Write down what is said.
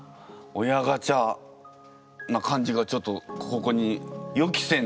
「親ガチャ」な感じがちょっとここに予期せぬ。